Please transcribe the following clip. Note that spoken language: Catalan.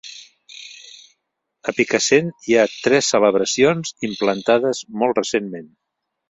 A Picassent hi ha tres celebracions implantades molt recentment.